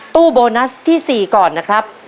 ตู้โบนัสที่๔ก่อนนะครับ